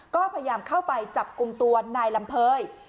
ก็พยายามเข้าไปจับกลุ่มตัวนายลำเภย